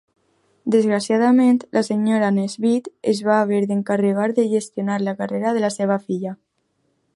Desgraciadament, la senyora Nesbit es va haver d'encarregar de gestionar la carrera de la seva filla.